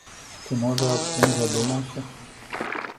Ці, можа, аб чым задумаўся?